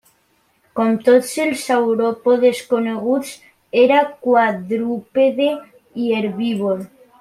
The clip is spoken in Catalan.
Com tots els sauròpodes coneguts, era quadrúpede i herbívor.